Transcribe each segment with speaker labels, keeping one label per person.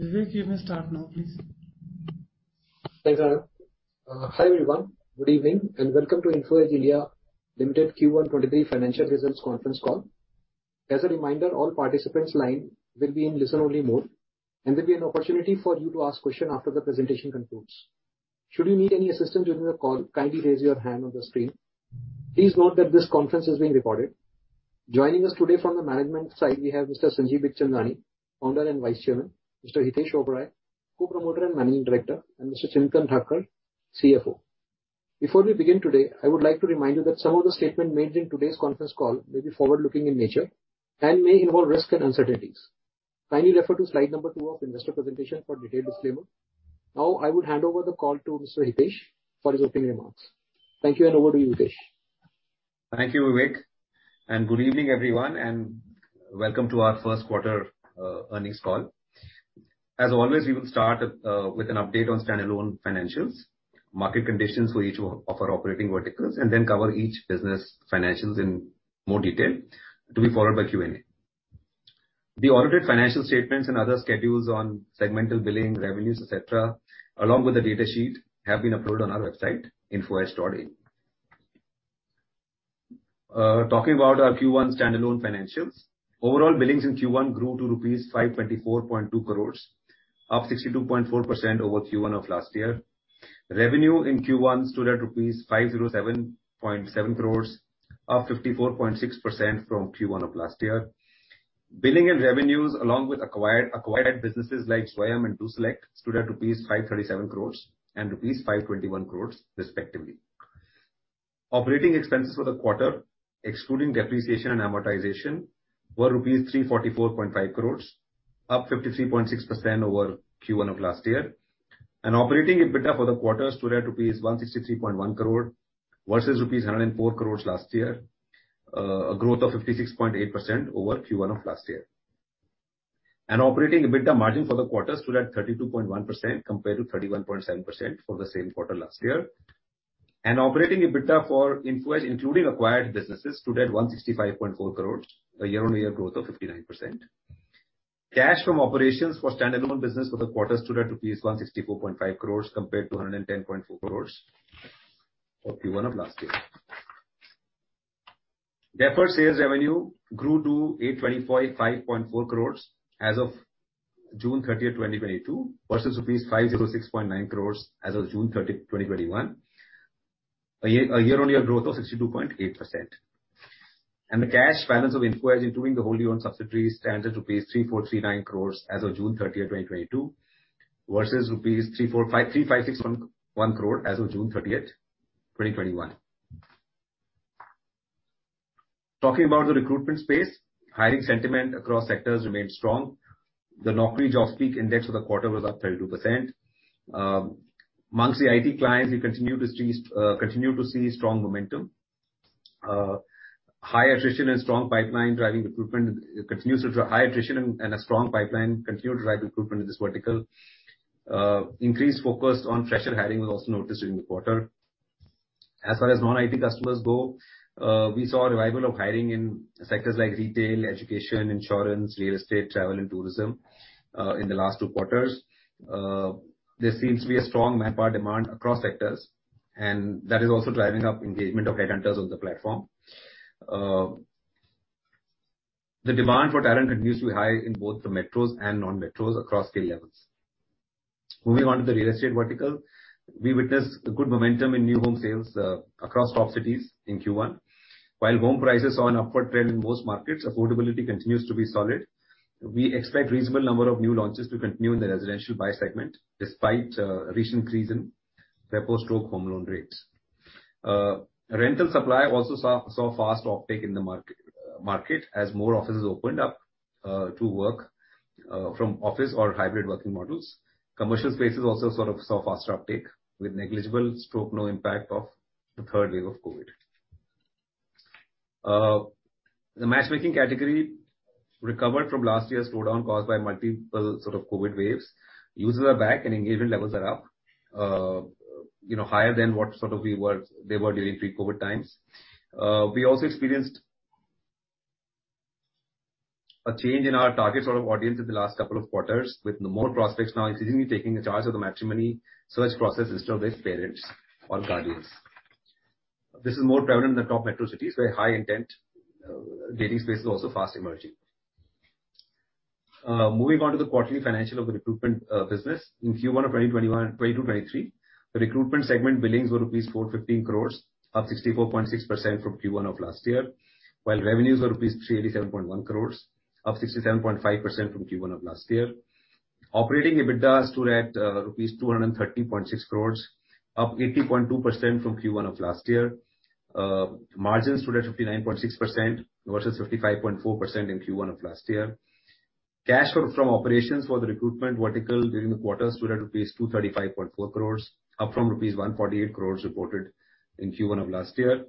Speaker 1: Vivek, you may start now, please.
Speaker 2: Thanks, Anna. Hi, everyone. Good evening and welcome to Info Edge (India) Limited Q1 2023 financial results conference call. As a reminder, all participants' line will be in listen-only mode, and there'll be an opportunity for you to ask question after the presentation concludes. Should you need any assistance during the call, kindly raise your hand on the screen. Please note that this conference is being recorded. Joining us today from the management side, we have Mr. Sanjeev Bikhchandani, founder and vice chairman, Mr. Hitesh Oberoi, co-promoter and managing director, and Mr. Chintan Thakkar, CFO. Before we begin today, I would like to remind you that some of the statement made during today's conference call may be forward-looking in nature and may involve risks and uncertainties. Kindly refer to slide number two of investor presentation for detailed disclaimer. Now, I would hand over the call to Mr. Hitesh for his opening remarks. Thank you, and over to you, Hitesh.
Speaker 3: Thank you, Vivek, and good evening, everyone, and welcome to our first quarter earnings call. As always, we will start with an update on standalone financials, market conditions for each of our operating verticals, and then cover each business financials in more detail, to be followed by Q&A. The audited financial statements and other schedules on segmental billing, revenues, et cetera, along with the data sheet, have been uploaded on our website, infoedge.in. Talking about our Q1 standalone financials. Overall billings in Q1 grew to rupees 524.2 crores, up 62.4% over Q1 of last year. Revenue in Q1 stood at rupees 507.7 crores, up 54.6% from Q1 of last year. Billing and revenues along with acquired businesses like Zwayam and DoSelect stood at rupees 537 crores and rupees 521 crores respectively. Operating expenses for the quarter, excluding depreciation and amortization, were rupees 344.5 crore, up 53.6% over Q1 of last year. Operating EBITDA for the quarter stood at rupees 163.1 crore versus rupees 104 crore last year, a growth of 56.8% over Q1 of last year. Operating EBITDA margin for the quarter stood at 32.1% compared to 31.7% for the same quarter last year. Operating EBITDA for Info Edge, including acquired businesses, stood at 165.4 crore, a year-on-year growth of 59%. Cash from operations for standalone business for the quarter stood at rupees 164.5 crore compared to 110.4 crore for Q1 of last year. Deferred sales revenue grew to 825.4 crores as of June 30, 2022, versus rupees 506.9 crores as of June 30, 2021. Year-on-year growth of 62.8%. The cash balance of Info Edge, including the wholly owned subsidiaries, stands at rupees 3,439 crores as of June 30, 2022, versus rupees 3,561.1 crores as of June 30, 2021. Talking about the recruitment space, hiring sentiment across sectors remained strong. The Naukri JobSpeak Index for the quarter was up 32%. Amongst the IT clients, we continue to see strong momentum. High attrition and a strong pipeline continue to drive recruitment in this vertical. Increased focus on fresher hiring was also noticed during the quarter. As far as non-IT customers go, we saw a revival of hiring in sectors like retail, education, insurance, real estate, travel and tourism in the last two quarters. There seems to be a strong manpower demand across sectors, and that is also driving up engagement of candidates on the platform. The demand for talent continues to be high in both the metros and non-metros across scale levels. Moving on to the real estate vertical. We witnessed a good momentum in new home sales across top cities in Q1. While home prices saw an upward trend in most markets, affordability continues to be solid. We expect reasonable number of new launches to continue in the residential buy segment despite recent increase in repo rate and home loan rates. Rental supply also saw fast uptake in the market as more offices opened up to work from office or hybrid working models. Commercial spaces also sort of saw faster uptake with negligible or no impact of the third wave of COVID. The matchmaking category recovered from last year's slowdown caused by multiple sort of COVID waves. Users are back and engagement levels are up, you know, higher than what they were during pre-COVID times. We also experienced a change in our target sort of audience in the last couple of quarters, with more prospects now increasingly taking charge of the matrimony search process instead of their parents or guardians. This is more prevalent in the top metro cities, where high intent dating space is also fast emerging. Moving on to the quarterly financial of the recruitment business. In Q1 of 2022-23, the recruitment segment billings were rupees 415 crores, up 64.6% from Q1 of last year, while revenues were rupees 387.1 crores, up 67.5% from Q1 of last year. Operating EBITDA stood at rupees 230.6 crores, up 80.2% from Q1 of last year. Margins stood at 59.6% versus 55.4% in Q1 of last year. Cash flow from operations for the recruitment vertical during the quarter stood at rupees 235.4 crores, up from rupees 148 crores reported in Q1 of last year.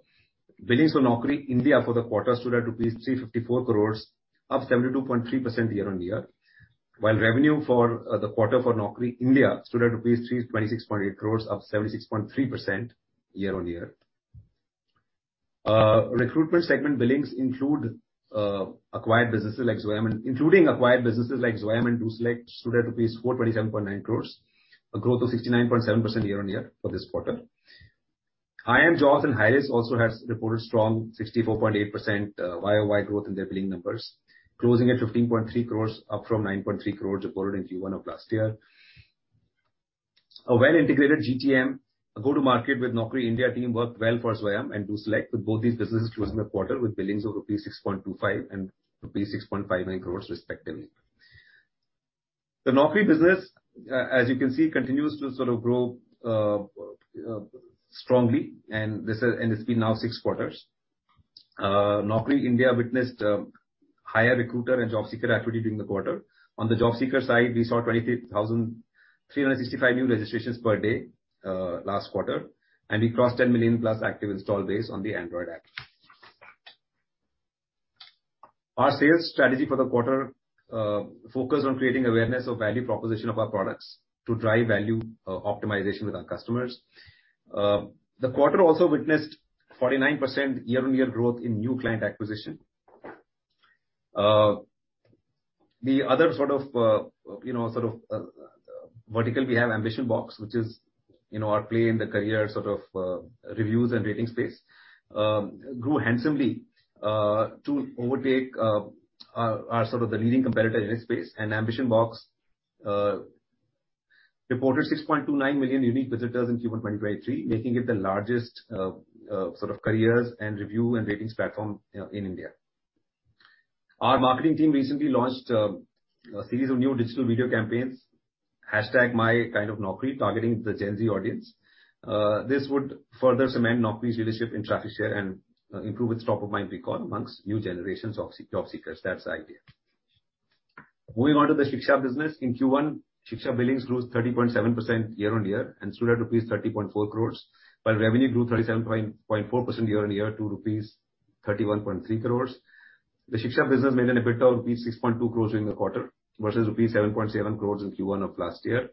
Speaker 3: Billings for Naukri India for the quarter stood at rupees 354 crores, up 72.3% year-on-year. While revenue for the quarter for Naukri India stood at rupees 326.8 crores, up 76.3% year-on-year. Recruitment segment billings, including acquired businesses like Zwayam and DoSelect, stood at rupees 427.9 crores. A growth of 69.7% year-on-year for this quarter. iimjobs and Hirist also has reported strong 64.8% YOY growth in their billing numbers, closing at 15.3 crores, up from 9.3 crores reported in Q1 of last year. A well-integrated GTM, a go-to-market with Naukri India team worked well for Zwayam and DoSelect, with both these businesses closing the quarter with billings of rupees 6.25 crores and rupees 6.59 crores respectively. The Naukri business, as you can see continues to sort of grow strongly and it's been now six quarters. Naukri India witnessed higher recruiter and job seeker activity during the quarter. On the job seeker side, we saw 23,365 new registrations per day last quarter, and we crossed 10 million+ active install base on the Android app. Our sales strategy for the quarter focused on creating awareness of value proposition of our products to drive value optimization with our customers. The quarter also witnessed 49% year-on-year growth in new client acquisition. The other sort of, you know, sort of, vertical we have, AmbitionBox, which is, you know, our play in the career sort of, reviews and rating space, grew handsomely, to overtake, our the leading competitor in this space. AmbitionBox reported 6.29 million unique visitors in Q1 2023, making it the largest, sort of careers and review and ratings platform in India. Our marketing team recently launched a series of new digital video campaigns, hashtag MyKindaNaukri, targeting the Gen Z audience. This would further cement Naukri's leadership in traffic share and improve its top of mind recall amongst new generations of job seekers. That's the idea. Moving on to the Shiksha business. In Q1, Shiksha billings grew 30.7% year-on-year and stood at rupees 30.4 crore while revenue grew 37.4% year-on-year to rupees 31.3 crore. The Shiksha business made an EBITDA of rupees 6.2 crore during the quarter versus rupees 7.7 crore in Q1 of last year.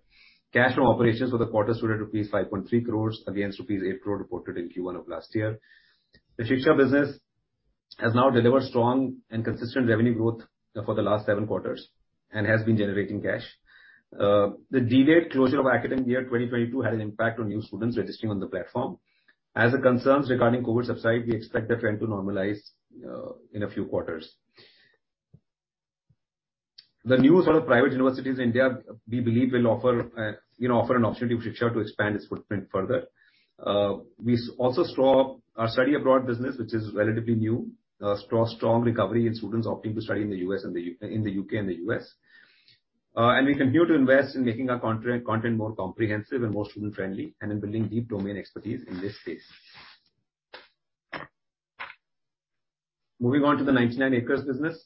Speaker 3: Cash from operations for the quarter stood at rupees 5.3 crore against rupees 8 crore reported in Q1 of last year. The Shiksha business has now delivered strong and consistent revenue growth for the last seven quarters and has been generating cash. The delayed closure of academic year 2022 had an impact on new students registering on the platform. As the concerns regarding COVID subside, we expect the trend to normalize in a few quarters. The new sort of private universities in India, we believe will offer you know offer an opportunity for Shiksha to expand its footprint further. We also saw our study abroad business, which is relatively new, saw strong recovery in students opting to study in the U.S. and in the U.K. and the U.S. We continue to invest in making our content more comprehensive and more student friendly, and in building deep domain expertise in this space. Moving on to the 99acres business.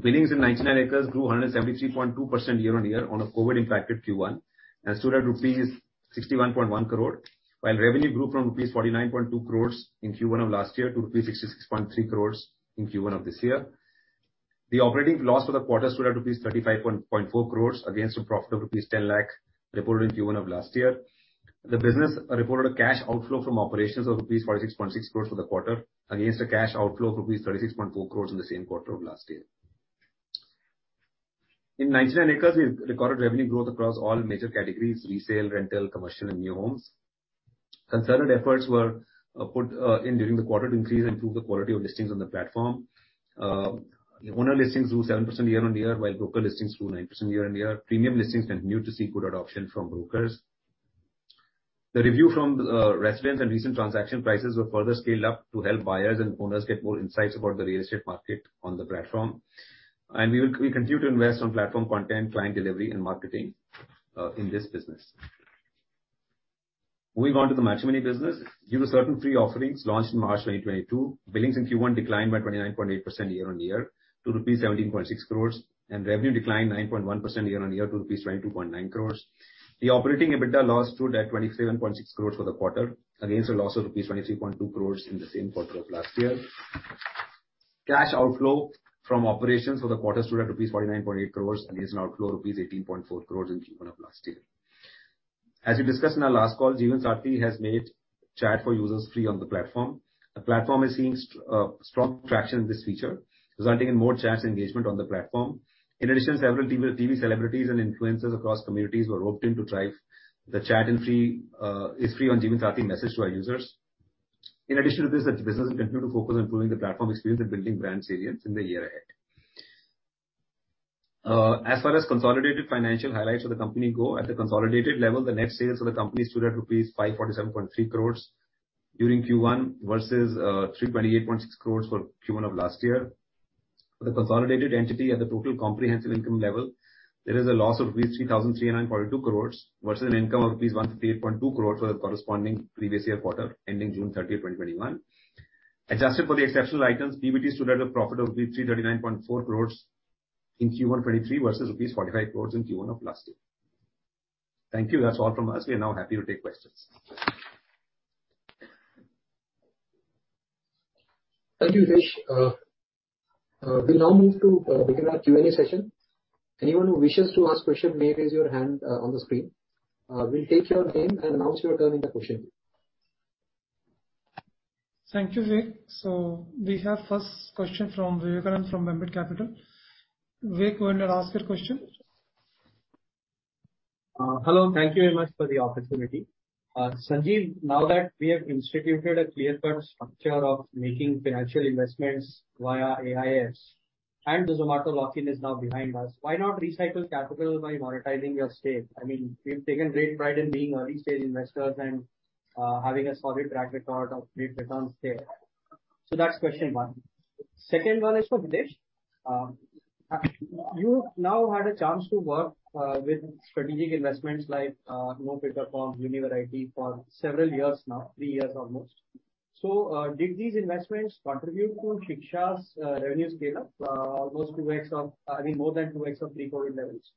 Speaker 3: Billings in 99acres grew 173.2% year-on-year on a COVID impacted Q1 and stood at rupees 61.1 crore, while revenue grew from rupees 49.2 crores in Q1 of last year to rupees 66.3 crores in Q1 of this year. The operating loss for the quarter stood at rupees 35.4 crore against a profit of rupees 10 lakh reported in Q1 of last year. The business reported a cash outflow from operations of rupees 46.6 crore for the quarter against a cash outflow of rupees 36.4 crore in the same quarter of last year. In 99acres, we recorded revenue growth across all major categories, resale, rental, commercial, and new homes. Consolidated efforts were put in during the quarter to increase and improve the quality of listings on the platform. Owner listings grew 7% year-on-year, while broker listings grew 9% year-on-year. Premium listings continued to see good adoption from brokers. The review from residents and recent transaction prices were further scaled up to help buyers and owners get more insights about the real estate market on the platform. We continue to invest on platform content, client delivery and marketing in this business. Moving on to the matrimony business. Jeevansathi offerings launched in March 2022. Billings in Q1 declined by 29.8% year-on-year to rupees 17.6 crores and revenue declined 9.1% year-on-year to rupees 22.9 crores. The operating EBITDA loss stood at 27.6 crores for the quarter against a loss of rupees 23.2 crores in the same quarter of last year. Cash outflow from operations for the quarter stood at rupees 49.8 crores against an outflow of rupees 18.4 crores in Q1 of last year. As we discussed in our last call, Jeevansathi has made chat for users free on the platform. The platform is seeing strong traction in this feature, resulting in more chats engagement on the platform. In addition, several TV celebrities and influencers across communities were roped in to drive the chat and free messaging to our users. In addition to this, the business will continue to focus on improving the platform experience and building brand salience in the year ahead. As far as consolidated financial highlights for the company go. At the consolidated level, the net sales for the company stood at rupees 547.3 crores during Q1 versus 328.6 crores for Q1 of last year. For the consolidated entity at the total comprehensive income level, there is a loss of INR 3,342 crores versus an income of INR 158.2 crores for the corresponding previous year quarter ending June 30, 2021. Adjusted for the exceptional items, PBT stood at a profit of rupees 339.4 crores in Q1 2023 versus rupees 45 crores in Q1 of last year. Thank you. That's all from us. We are now happy to take questions.
Speaker 2: Thank you, Hitesh. We now move to begin our Q&A session. Anyone who wishes to ask question may raise your hand on the screen. We'll take your name and announce your turn in the question.
Speaker 1: Thank you, Vivek. We have first question from Vivekanand Subbaraman from Ambit Capital. Vivek, go ahead and ask your question.
Speaker 4: Hello. Thank you very much for the opportunity. Sanjeev, now that we have instituted a clear-cut structure of making financial investments via AIFs, and the Zomato lock-in is now behind us, why not recycle capital by monetizing your stake? I mean, we've taken great pride in being early-stage investors and having a solid track record of great returns there. That's question one. Second one is for Hitesh. You now had a chance to work with strategic investments like NoPaperForms, Univariety, for several years now, three years almost. Did these investments contribute to Shiksha's revenue scale-up, almost 2x of, I mean, more than 2x of pre-COVID levels?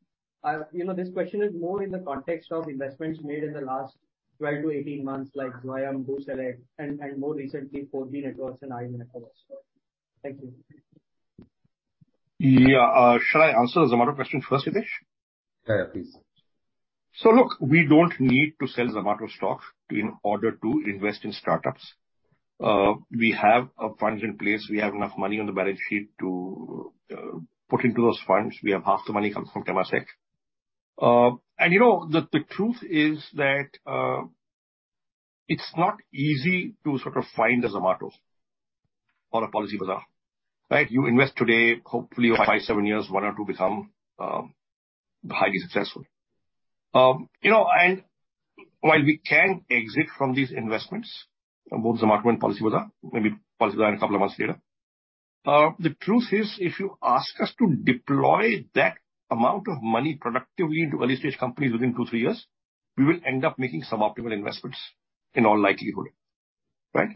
Speaker 4: You know, this question is more in the context of investments made in the last 12-18 months like Zwayam, DoSelect, and more recently, 4B Networks and AMINICA also. Thank you.
Speaker 5: Yeah. Shall I answer the Zomato question first, Hitesh?
Speaker 3: Yeah, please.
Speaker 5: Look, we don't need to sell Zomato stock in order to invest in startups. We have funds in place. We have enough money on the balance sheet to put into those funds. We have half the money comes from Temasek. You know, the truth is that, it's not easy to sort of find a Zomato or a PolicyBazaar, right? You invest today, hopefully five, seven years, one or two become highly successful. You know, and while we can exit from these investments, both Zomato and PolicyBazaar, maybe PolicyBazaar in a couple of months later, the truth is if you ask us to deploy that amount of money productively into early-stage companies within two, three years, we will end up making suboptimal investments in all likelihood, right?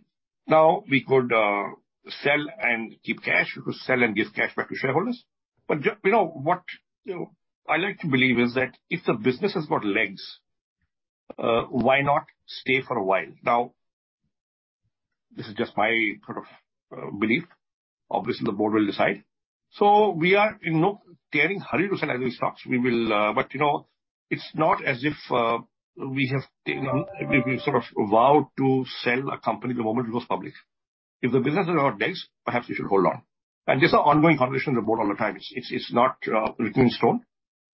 Speaker 5: Now, we could sell and keep cash. We could sell and give cash back to shareholders. You know, what, you know, I like to believe is that if the business has got legs, why not stay for a while? Now, this is just my sort of belief. Obviously, the board will decide. We are in no tearing hurry to sell any stocks. We will. You know, it's not as if we have, you know, we sort of vowed to sell a company the moment it goes public. If the business has got legs, perhaps we should hold on. This is an ongoing conversation with the board all the time. It's not written in stone.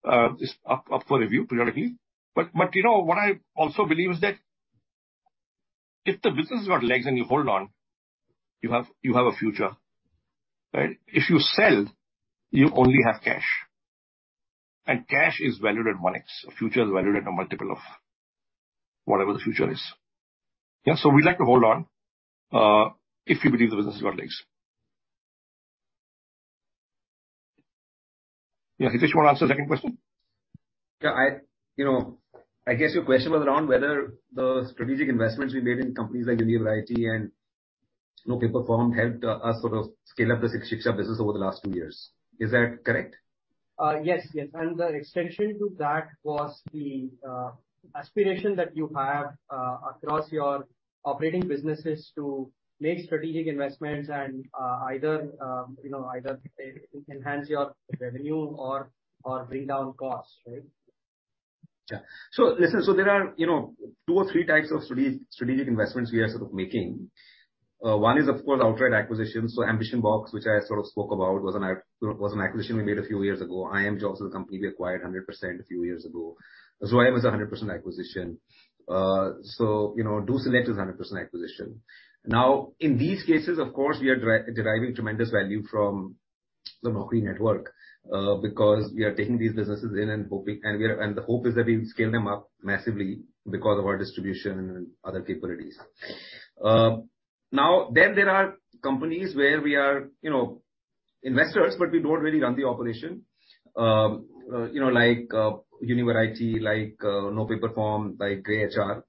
Speaker 5: It's up for review periodically. You know, what I also believe is that if the business has got legs and you hold on, you have a future, right? If you sell, you only have cash. Cash is valued at 1x. A future is valued at a multiple of whatever the future is. Yeah, we like to hold on, if we believe the business has got legs. Yeah, Hitesh, you wanna answer the second question?
Speaker 3: Yeah, you know, I guess your question was around whether the strategic investments we made in companies like Univariety and NoPaperForms helped us sort of scale up the Shiksha business over the last two years. Is that correct?
Speaker 4: Yes. The extension to that was the aspiration that you have across your operating businesses to make strategic investments and either you know enhance your revenue or bring down costs, right?
Speaker 3: Listen, there are, you know, two or three types of strategic investments we are sort of making. One is of course outright acquisitions. AmbitionBox, which I sort of spoke about, was an acquisition we made a few years ago. iimjobs is a company we acquired 100% a few years ago. Zwayam is a 100% acquisition. DoSelect is a 100% acquisition. Now, in these cases, of course, we are deriving tremendous value from the Naukri network, because we are taking these businesses in and the hope is that we scale them up massively because of our distribution and other capabilities. There are companies where we are, you know, investors, but we don't really run the operation. You know, like, Univariety, like, NoPaperForms, like greytHR.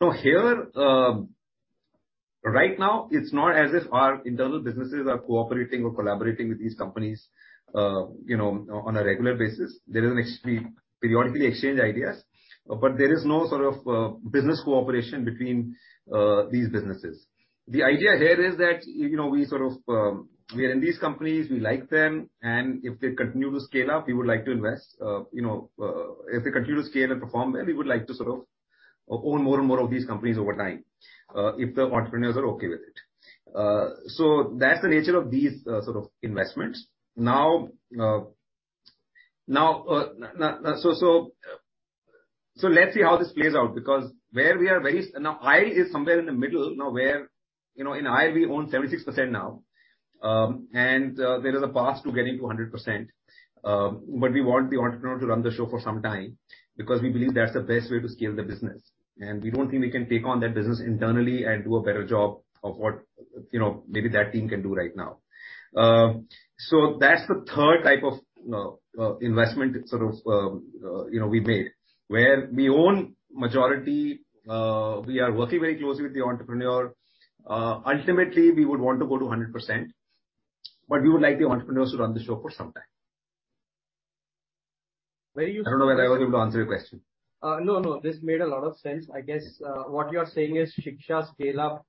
Speaker 3: Now, here, right now, it's not as if our internal businesses are cooperating or collaborating with these companies, you know, on a regular basis. They will periodically exchange ideas, but there is no sort of business cooperation between these businesses. The idea here is that, you know, we sort of, we are in these companies, we like them, and if they continue to scale up, we would like to invest. You know, if they continue to scale and perform, then we would like to sort of own more and more of these companies over time, if the entrepreneurs are okay with it. That's the nature of these sort of investments. Now, let's see how this plays out. It is somewhere in the middle now where, you know, in it we own 76% now. There is a path to getting to 100%. We want the entrepreneur to run the show for some time because we believe that's the best way to scale the business. We don't think we can take on that business internally and do a better job of what, you know, maybe that team can do right now. That's the third type of investment sort of, you know, we made, where we own majority. We are working very closely with the entrepreneur. Ultimately, we would want to go to 100%, but we would like the entrepreneurs to run the show for some time. I don't know whether I was able to answer your question.
Speaker 4: No, no. This made a lot of sense. I guess, what you are saying is Shiksha.com scale-up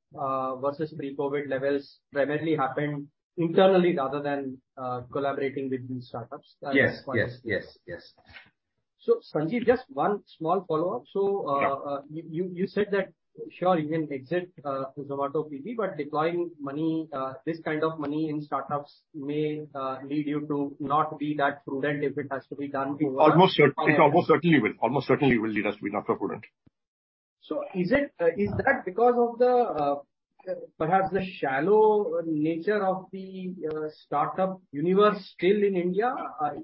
Speaker 4: versus pre-COVID levels primarily happened internally rather than collaborating with these startups.
Speaker 3: Yes.
Speaker 4: Sanjeev, just one small follow-up.
Speaker 3: Yeah.
Speaker 4: You said that sure you can exit Zomato quickly, but deploying this kind of money in startups may lead you to not be that prudent if it has to be done over.
Speaker 3: It almost certainly will. Almost certainly will lead us to be not so prudent.
Speaker 4: Is that because of perhaps the shallow nature of the startup universe still in India?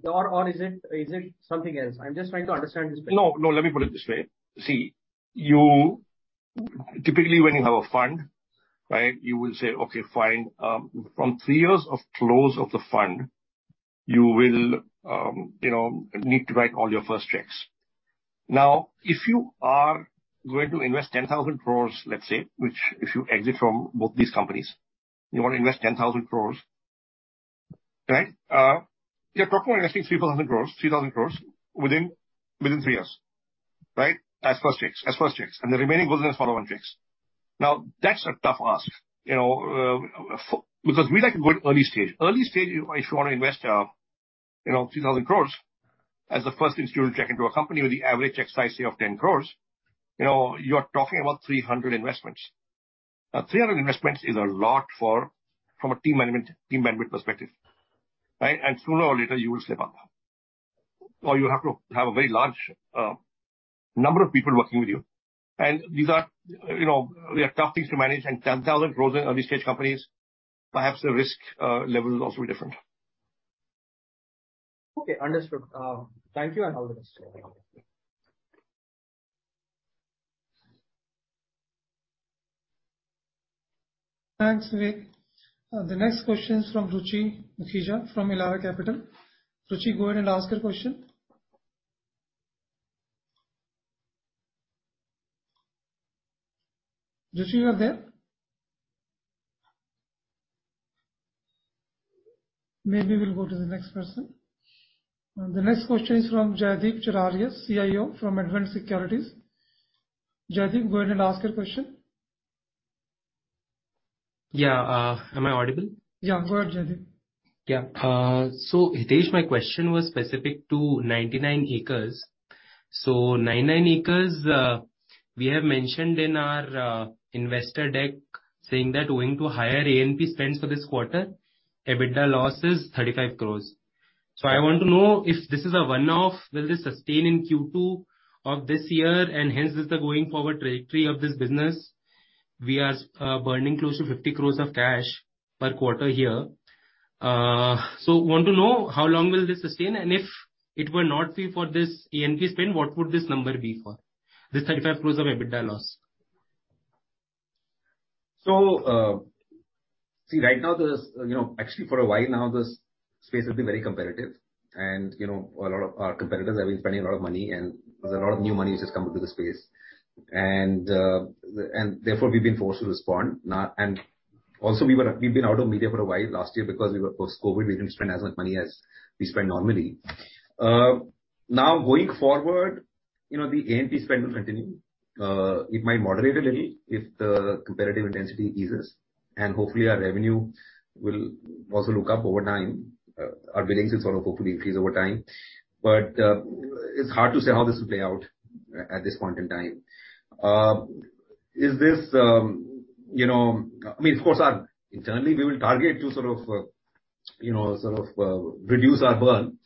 Speaker 4: Or is it something else? I'm just trying to understand this better.
Speaker 3: No, no. Let me put it this way. See, you typically, when you have a fund, right? You will say, "Okay, fine. From three years of close of the fund, you will, you know, need to write all your first checks." Now, if you are going to invest 10,000 crore, let's say, which if you exit from both these companies, you wanna invest 10,000 crore, right? You're talking about investing 3,000 crore within three years, right? As first checks, and the remaining goes into follow-on checks. Now, that's a tough ask, you know, because we like to go to early stage. Early stage, if you wanna invest 3,000 crore as the first institutional check into a company with the average ticket size, say, of 10 crore, you know, you're talking about 300 investments. Now, 300 investments is a lot for, from a team management, team member perspective, right? Sooner or later you will slip up. You have to have a very large number of people working with you. These are, you know, they are tough things to manage. 10,000 crore in early-stage companies, perhaps the risk level will also be different.
Speaker 4: Okay, understood. Thank you and all the best.
Speaker 3: Thank you.
Speaker 1: Thanks, Vivek. The next question is from Ruchi Mukhija, from Elara Capital. Ruchi, go ahead and ask your question. Ruchi, you are there? Maybe we'll go to the next person. The next question is from Jaideep Chirayath, CIO from Edwin Securities. Jaideep, go ahead and ask your question.
Speaker 6: Yeah, am I audible?
Speaker 1: Yeah, go ahead, Jaideep.
Speaker 6: Yeah. Hitesh, my question was specific to 99acres. 99acres, we have mentioned in our investor deck saying that owing to higher A&P spends for this quarter, EBITDA loss is 35 crore. I want to know if this is a one-off, will this sustain in Q2 of this year, and hence is the going forward trajectory of this business? We are burning close to 50 crore of cash per quarter here. Want to know how long will this sustain, and if it were not be for this A&P spend, what would this number be for, this 35 crore of EBITDA loss?
Speaker 3: Right now there's, you know, actually for a while now, this space has been very competitive. You know, a lot of our competitors have been spending a lot of money, and there's a lot of new money just come into the space. And therefore we've been forced to respond. Also we've been out of media for a while last year because we were post-COVID. We didn't spend as much money as we spend normally. Now going forward, you know, the A&P spend will continue. It might moderate a little if the competitive intensity eases, and hopefully our revenue will also look up over time. Our billings will sort of hopefully increase over time. But it's hard to say how this will play out at this point in time. I mean, of course, internally, we will target to sort of, you know, reduce our burn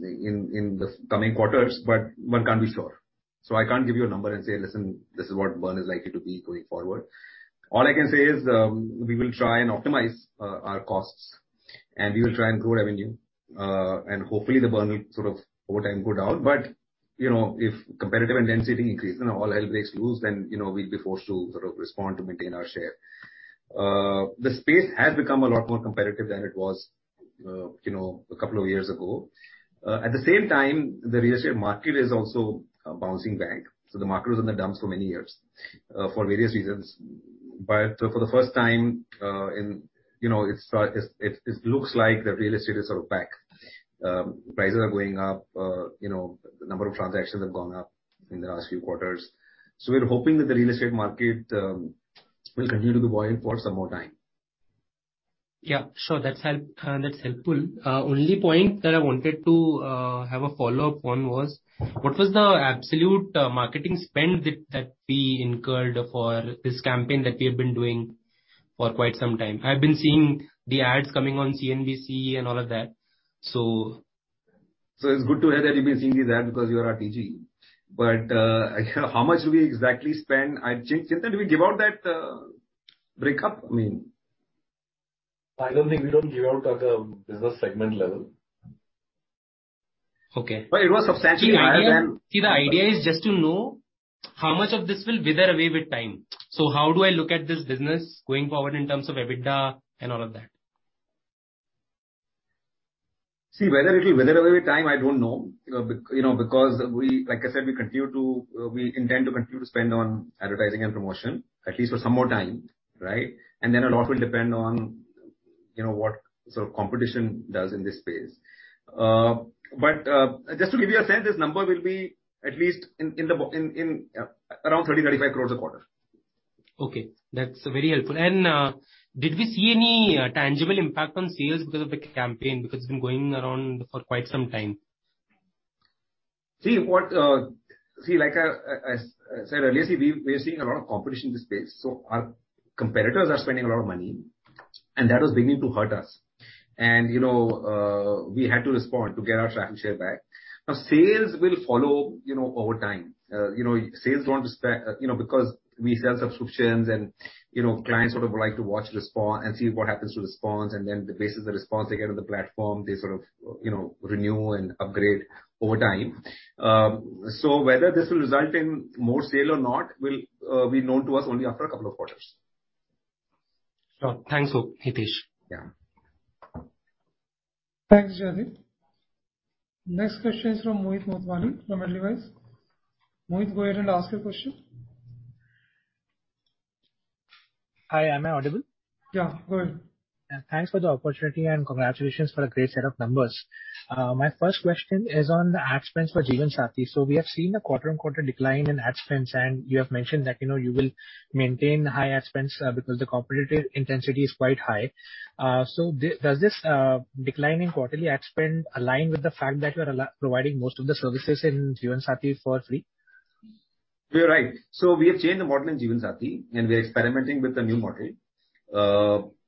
Speaker 3: in the coming quarters, but one can't be sure. I can't give you a number and say, "Listen, this is what burn is likely to be going forward." All I can say is, we will try and optimize our costs and we will try and grow revenue. Hopefully the burn will sort of over time go down. You know, if competitive intensity increases and all hell breaks loose, then, you know, we'll be forced to sort of respond to maintain our share. The space has become a lot more competitive than it was, you know, a couple of years ago. At the same time, the real estate market is also bouncing back. The market was in the dumps for many years, for various reasons. For the first time, it looks like the real estate is sort of back. Prices are going up. The number of transactions have gone up in the last few quarters. We're hoping that the real estate market will continue to boil for some more time.
Speaker 6: Yeah, sure. That's helpful. Only point that I wanted to have a follow-up on was what was the absolute marketing spend that we incurred for this campaign that we have been doing for quite some time? I've been seeing the ads coming on CNBC and all of that, so.
Speaker 3: It's good to hear that you've been seeing the ad because you're our TG. But how much we exactly spend, Chintan, did we give out that breakup? I mean.
Speaker 7: I don't think we give out at the business segment level.
Speaker 6: Okay.
Speaker 3: It was substantially higher than.
Speaker 6: See, the idea is just to know how much of this will wither away with time. How do I look at this business going forward in terms of EBITDA and all of that?
Speaker 3: See, whether it will wither away with time, I don't know. You know, because we, like I said, we intend to continue to spend on advertising and promotion at least for some more time, right? A lot will depend on, you know, what sort of competition does in this space. Just to give you a sense, this number will be at least around 30-35 crore a quarter.
Speaker 6: Okay. That's very helpful. Did we see any tangible impact on sales because of the campaign? Because it's been going around for quite some time.
Speaker 3: Like I said earlier, we're seeing a lot of competition in this space, so our competitors are spending a lot of money, and that was beginning to hurt us. You know, we had to respond to get our traffic share back. Now, sales will follow, you know, over time. You know, because we sell subscriptions and, you know, clients sort of like to watch, respond, and see what happens with response, and then based on the response they get on the platform, they sort of, you know, renew and upgrade over time. Whether this will result in more sales or not will be known to us only after a couple of quarters.
Speaker 6: Sure. Thanks, Hitesh.
Speaker 3: Yeah.
Speaker 1: Thanks, Jaideep. Next question is from Mohit Motwani from Edelweiss. Mohit, go ahead and ask your question.
Speaker 8: Hi, am I audible?
Speaker 1: Yeah. Go ahead.
Speaker 8: Thanks for the opportunity, and congratulations for a great set of numbers. My first question is on the ad spends for Jeevansathi.com. We have seen a quarter-on-quarter decline in ad spends, and you have mentioned that, you know, you will maintain high ad spends, because the competitive intensity is quite high. Does this decline in quarterly ad spend align with the fact that you're providing most of the services in Jeevansathi.com for free?
Speaker 3: You're right. We have changed the model in Jeevansathi.com, and we are experimenting with the new model.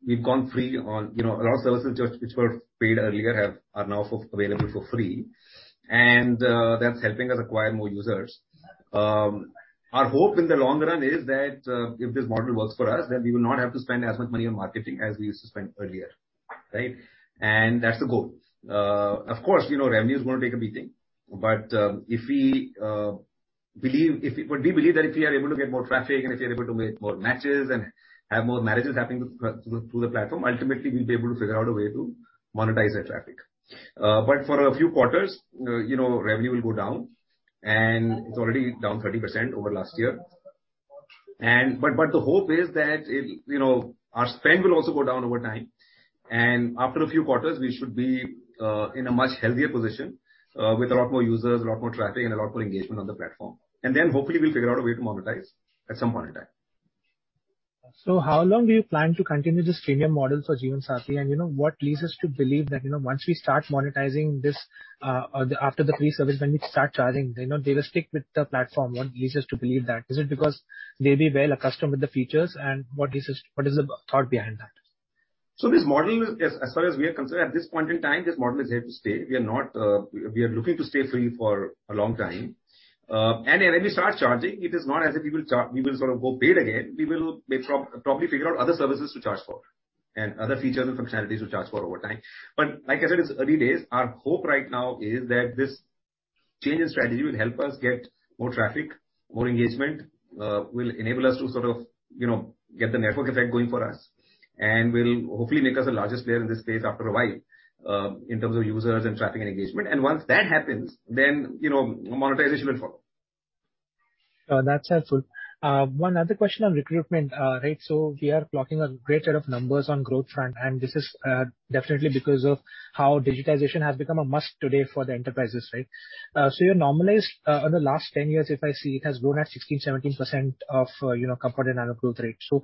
Speaker 3: We've gone free on, you know, a lot of services which were paid earlier are now available for free. That's helping us acquire more users. Our hope in the long run is that, if this model works for us, then we will not have to spend as much money on marketing as we used to spend earlier, right? That's the goal. Of course, you know, revenue is gonna take a beating. We believe that if we are able to get more traffic, and if we are able to make more matches and have more marriages happening through the platform, ultimately we'll be able to figure out a way to monetize that traffic. For a few quarters, you know, revenue will go down and it's already down 30% over last year. The hope is that it'll, you know, our spend will also go down over time. After a few quarters, we should be in a much healthier position with a lot more users, a lot more traffic, and a lot more engagement on the platform. Then hopefully we'll figure out a way to monetize at some point in time.
Speaker 8: How long do you plan to continue this premium model for Jeevansathi.com? You know, what leads us to believe that, you know, once we start monetizing this, after the free service, when we start charging, you know, they will stick with the platform. What leads us to believe that? Is it because they'll be well accustomed with the features and what is the thought behind that?
Speaker 3: This model is as far as we are concerned, at this point in time, this model is here to stay. We are looking to stay free for a long time. When we start charging, it is not as if we will sort of go paid again. We may probably figure out other services to charge for and other features and functionalities to charge for over time. Like I said, it's early days. Our hope right now is that this change in strategy will help us get more traffic, more engagement, will enable us to sort of, you know, get the network effect going for us, and will hopefully make us the largest player in this space after a while, in terms of users and traffic and engagement. Once that happens, then, you know, monetization will follow.
Speaker 8: That's helpful. One other question on recruitment. Right, we are booking a great set of numbers on the growth front, and this is definitely because of how digitization has become a must today for the enterprises, right? Your normalized on the last 10 years, if I see, it has grown at 16%-17% CAGR.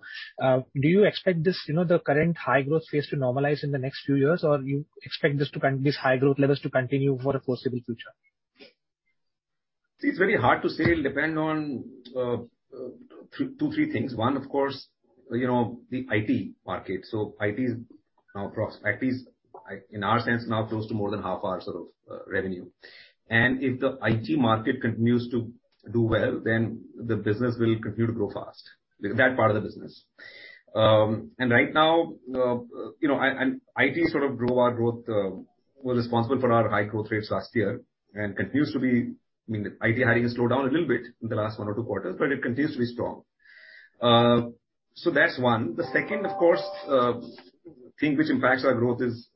Speaker 8: Do you expect this, you know, the current high growth phase to normalize in the next few years? Or you expect these high growth levels to continue for the foreseeable future?
Speaker 3: See, it's very hard to say. It'll depend on two, three things. One, of course, you know, the IT market. IT is, in our sense, now close to more than half our sort of revenue. If the IT market continues to do well, then the business will continue to grow fast with that part of the business. Right now, you know, IT sort of drove our growth, was responsible for our high growth rates last year and continues to be, I mean, IT hiring has slowed down a little bit in the last one or two quarters, but it continues to be strong. That's one. The second, of course, thing which impacts our growth is,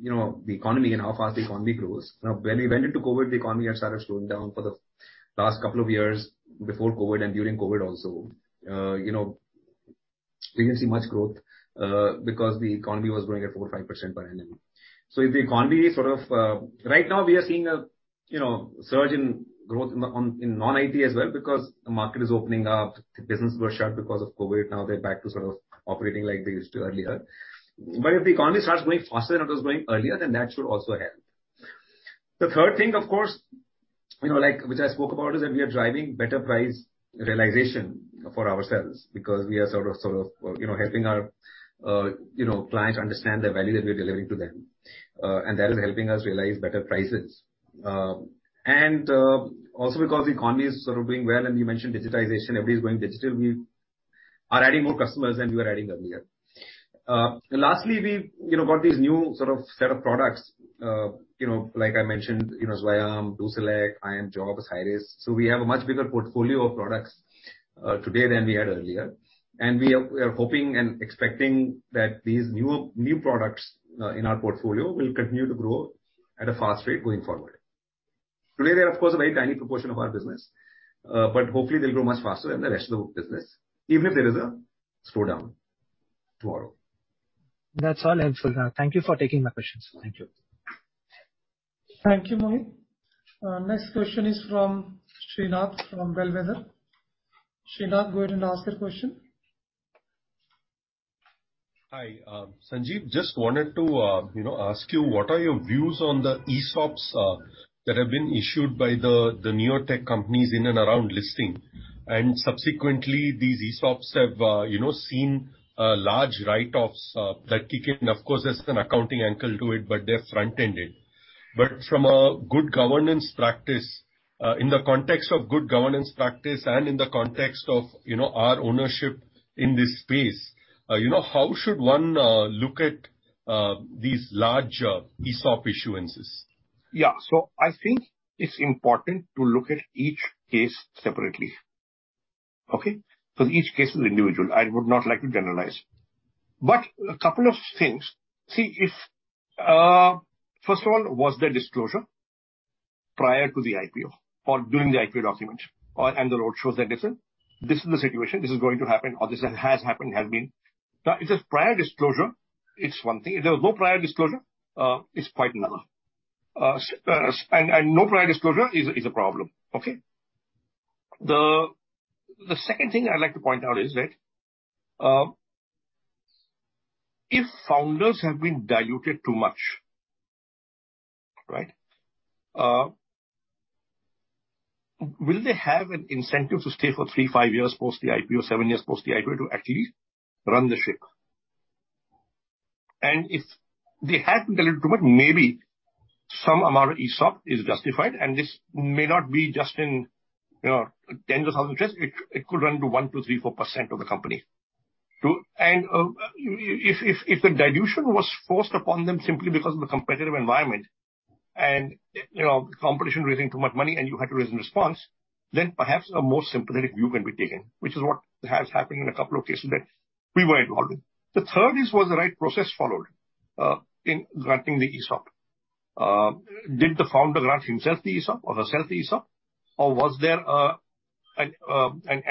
Speaker 3: you know, the economy and how fast the economy grows. Now, when we went into COVID, the economy had started slowing down for the last couple of years before COVID and during COVID also. You know, we didn't see much growth, because the economy was growing at 4-5% per annum. If the economy sort of right now we are seeing a you know, surge in growth in non-IT as well because the market is opening up. The businesses were shut because of COVID, now they're back to sort of operating like they used to earlier. If the economy starts growing faster than it was growing earlier, then that should also help. The third thing, of course, you know, like, which I spoke about, is that we are driving better price realization for ourselves because we are sort of, you know, helping our, you know, clients understand the value that we're delivering to them. That is helping us realize better prices. Also because the economy is sort of doing well, and you mentioned digitization, everybody's going digital, we are adding more customers than we were adding earlier. Lastly, we, you know, got these new sort of set of products, you know, like I mentioned, you know, Zwayam, DoSelect, iimjobs, Hirist. We have a much bigger portfolio of products, today than we had earlier. We are hoping and expecting that these new products in our portfolio will continue to grow at a fast rate going forward. Today, they're of course a very tiny proportion of our business, but hopefully they'll grow much faster than the rest of the business, even if there is a slowdown tomorrow.
Speaker 8: That's all helpful. Thank you for taking my questions. Thank you.
Speaker 1: Thank you, Mohit. Next question is from Srinath from Bellwether. Srinath, go ahead and ask your question.
Speaker 9: Hi, Sanjeev, just wanted to, you know, ask you what are your views on the ESOPs that have been issued by the new tech companies in and around listing? Subsequently, these ESOPs have, you know, seen large write-offs that kick in. Of course, there's an accounting angle to it, but they're front-ended. From a good governance practice, in the context of good governance practice and in the context of, you know, our ownership in this space, you know, how should one look at these large ESOP issuances?
Speaker 5: Yeah. I think it's important to look at each case separately. Okay? Each case is individual. I would not like to generalize. A couple of things. First of all, was there disclosure prior to the IPO or during the IPO document or and the road shows that, listen, this is the situation, this is going to happen or this has happened, has been. Now, if there's prior disclosure, it's one thing. If there was no prior disclosure, it's quite another. No prior disclosure is a problem. Okay? The second thing I'd like to point out is that, if founders have been diluted too much, right, will they have an incentive to stay for three, five years post the IPO, seven years post the IPO to actually run the ship? If they have been diluted too much, maybe some amount of ESOP is justified, and this may not be just in, you know, tens of thousands shares. It could run to 1%, 2%, 3%, 4% of the company. If the dilution was forced upon them simply because of the competitive environment and, you know, competition raising too much money and you had to raise in response, then perhaps a more sympathetic view can be taken, which is what has happened in a couple of cases that we were involved in. The third is, was the right process followed in granting the ESOP? Did the founder grant himself the ESOP or herself the ESOP? Was there an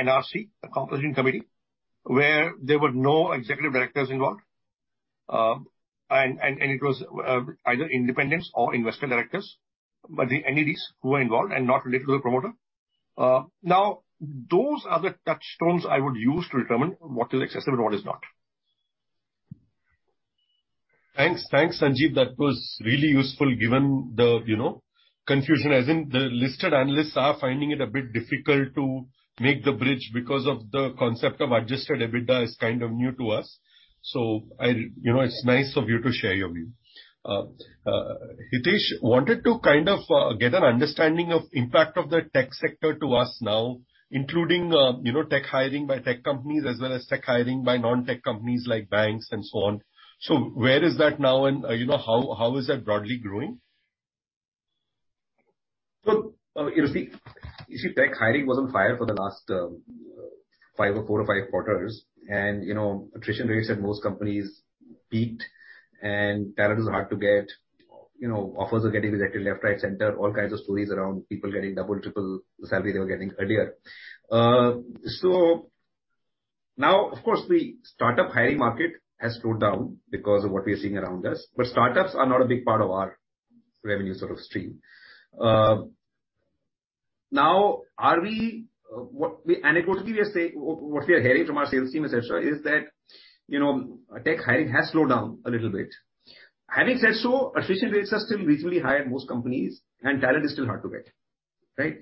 Speaker 5: NRC, a compensation committee where there were no executive directors involved, and it was either independents or investor directors, but the NEDs who were involved and not related to the promoter? Now those are the touchstones I would use to determine what is acceptable and what is not.
Speaker 9: Thanks. Thanks, Sanjeev. That was really useful given the, you know, confusion as in the listed analysts are finding it a bit difficult to make the bridge because of the concept of adjusted EBITDA is kind of new to us. I'll, you know, it's nice of you to share your view. Hitesh, wanted to kind of get an understanding of impact of the tech sector to us now, including, you know, tech hiring by tech companies as well as tech hiring by non-tech companies like banks and so on. Where is that now and, you know, how is that broadly growing?
Speaker 3: Look, you know, tech hiring was on fire for the last five or four to five quarters and, you know, attrition rates at most companies peaked and talent is hard to get. You know, offers were getting rejected left, right, center, all kinds of stories around people getting double, triple the salary they were getting earlier. Now of course the startup hiring market has slowed down because of what we are seeing around us. Startups are not a big part of our revenue sort of stream. Anecdotally, what we are hearing from our sales team, et cetera, is that, you know, tech hiring has slowed down a little bit. Having said so, attrition rates are still reasonably high at most companies, and talent is still hard to get, right?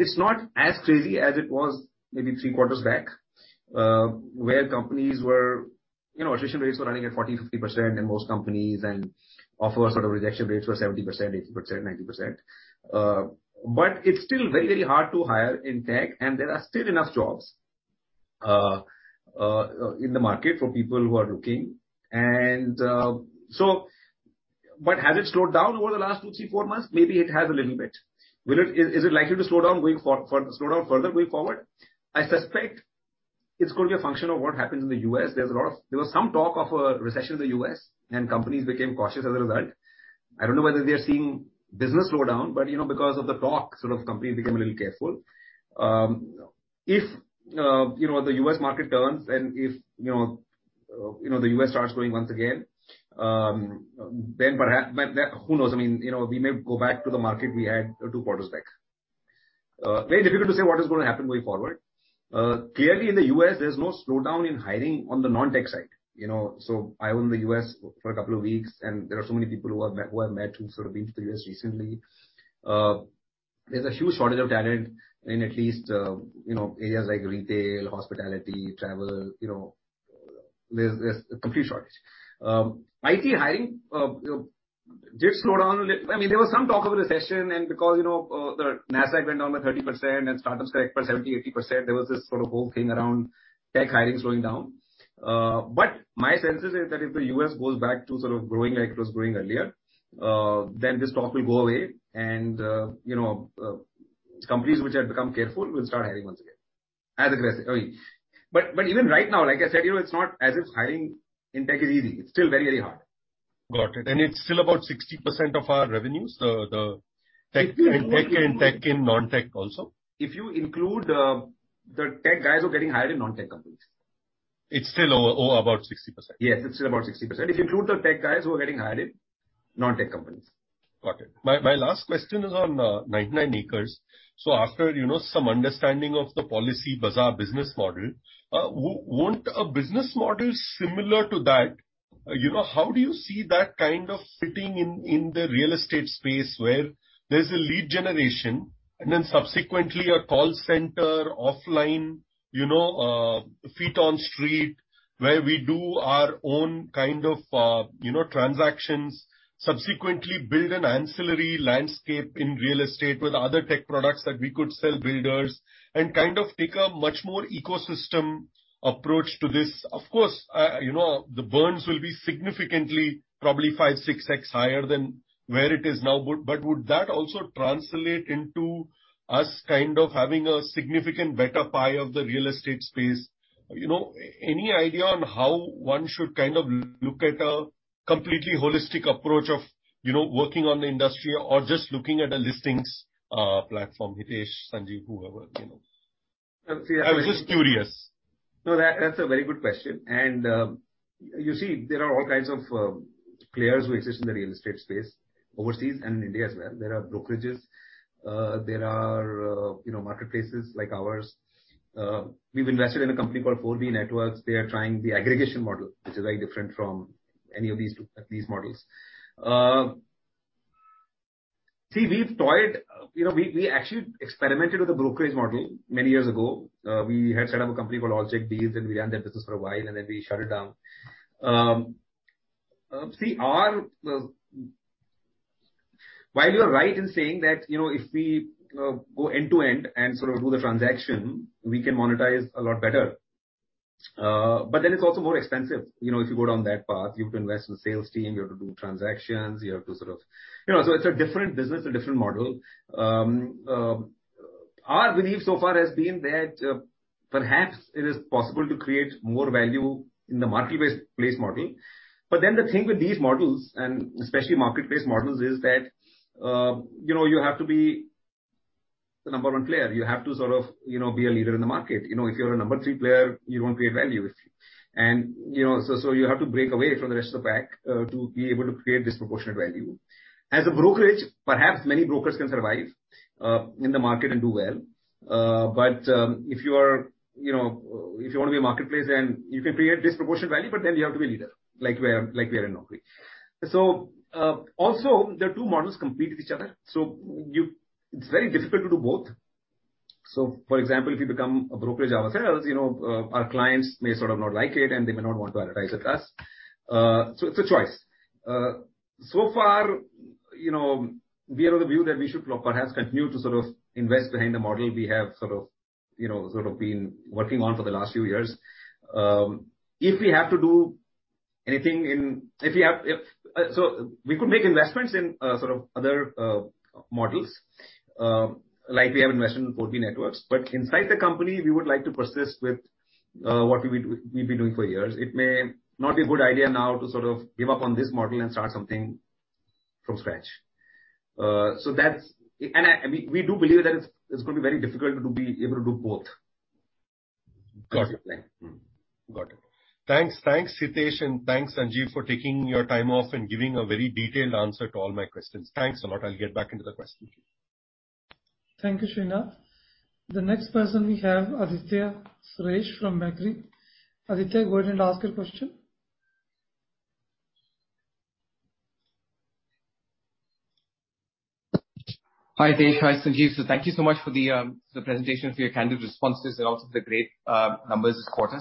Speaker 3: It's not as crazy as it was maybe three quarters back, where companies were, you know, attrition rates were running at 40%, 50% in most companies and offer sort of rejection rates were 70%, 80%, 90%. It's still very, very hard to hire in tech and there are still enough jobs in the market for people who are looking. Has it slowed down over the last two, three, four months? Maybe it has a little bit. Is it likely to slow down further going forward? I suspect it's going to be a function of what happens in the U.S. There was some talk of a recession in the U.S. and companies became cautious as a result. I don't know whether they are seeing business slow down, but you know, because of the talk, sort of companies became a little careful. If you know, the U.S. market turns and if you know, the U.S. starts growing once again, then who knows, I mean, you know, we may go back to the market we had two quarters back. Very difficult to say what is gonna happen going forward. Clearly in the U.S. there's no slowdown in hiring on the non-tech side, you know. I was in the U.S. for a couple of weeks and there are so many people who I've met who've sort of been to the U.S. recently. There's a huge shortage of talent in at least, you know, areas like retail, hospitality, travel, you know. There's a complete shortage. IT hiring, you know, did slow down a little. I mean there was some talk of a recession and because, you know, the Nasdaq went down by 30% and startups corrected by 70%-80%, there was this sort of whole thing around tech hiring slowing down. My sense is that if the U.S. goes back to sort of growing like it was growing earlier, then this talk will go away and, you know, companies which have become careful will start hiring once again as aggressively. Even right now, like I said, you know, it's not as if hiring in tech is easy. It's still very, very hard.
Speaker 9: Got it. It's still about 60% of our revenues, the tech-
Speaker 3: If you include.
Speaker 9: In tech and in non-tech also.
Speaker 3: If you include, the tech guys who are getting hired in non-tech companies.
Speaker 9: It's still about 60%?
Speaker 3: Yes, it's still about 60% if you include the tech guys who are getting hired in non-tech companies.
Speaker 9: Got it. My last question is on 99acres. After you know some understanding of the PolicyBazaar business model, wouldn't a business model similar to that, you know, how do you see that kind of fitting in the real estate space where there's a lead generation and then subsequently a call center offline, you know, feet on street, where we do our own kind of, you know, transactions, subsequently build an ancillary landscape in real estate with other tech products that we could sell builders and kind of take a much more ecosystem approach to this? Of course, you know, the burns will be significantly probably 5x, 6x higher than where it is now. But would that also translate into us kind of having a significant better pie of the real estate space? You know, any idea on how one should kind of look at a completely holistic approach of, you know, working on the industry or just looking at a listings platform, Hitesh, Sanjeev, whoever, you know?
Speaker 3: See, I-
Speaker 9: I was just curious.
Speaker 3: No, that's a very good question. You see, there are all kinds of players who exist in the real estate space overseas and in India as well. There are brokerages. There are, you know, marketplaces like ours. We've invested in a company called 4B Networks. They are trying the aggregation model, which is very different from any of these models. See, we've tried. You know, we actually experimented with a brokerage model many years ago. We had set up a company called Allcheckdeals, and we ran that business for a while, and then we shut it down. While you are right in saying that, you know, if we go end to end and sort of do the transaction, we can monetize a lot better. Then it's also more expensive. You know, if you go down that path, you have to invest in a sales team, you have to do transactions, you have to sort of. You know, it's a different business, a different model. Our belief so far has been that, perhaps it is possible to create more value in the marketplace model. The thing with these models, and especially marketplace models, is that, you know, you have to be the number one player. You have to sort of, you know, be a leader in the market. You know, if you're a number three player, you don't create value. You know, you have to break away from the rest of the pack, to be able to create disproportionate value. As a brokerage, perhaps many brokers can survive, in the market and do well. If you are, you know, if you want to be a marketplace then you can create disproportionate value, but then you have to be a leader, like we are in Naukri. Also the two models compete with each other, so it's very difficult to do both. For example, if you become a brokerage ourselves, you know, our clients may sort of not like it, and they may not want to advertise with us. It's a choice. So far, you know, we are of the view that we should perhaps continue to sort of invest behind the model we have sort of, you know, sort of been working on for the last few years. If we have to do anything in. If we have, if we could make investments in sort of other models, like we have invested in 4B Networks, but inside the company we would like to persist with what we've been doing for years. It may not be a good idea now to sort of give up on this model and start something from scratch. We do believe that it's gonna be very difficult to be able to do both.
Speaker 9: Got it. Thanks, Hitesh, and thanks, Sanjeev, for taking your time off and giving a very detailed answer to all my questions. Thanks a lot. I'll get back into the questioning.
Speaker 1: Thank you, Srinath. The next person we have, Aditya Suresh from Macquarie. Aditya, go ahead and ask your question.
Speaker 10: Hi, Hitesh. Hi, Sanjeev. Thank you so much for the presentation, for your candid responses and also for the great numbers this quarter.